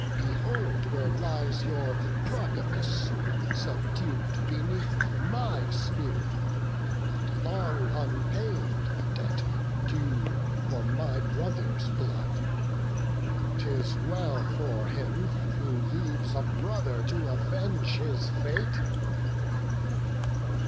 Behold where lies your Promachus, subdued Beneath my spear; not long unpaid the debt Due for my brother's blood! 'Tis well for him Who leaves a brother to avenge his fate."